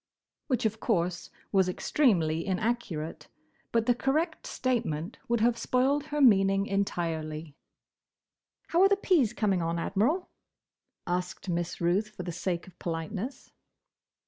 Which, of course was extremely inaccurate, but the correct statement would have spoiled her meaning entirely. "How are the peas coming on, Admiral?" asked Miss Ruth, for the sake of politeness.